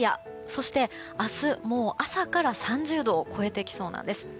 そして、明日、もう朝から３０度を超えてきそうです。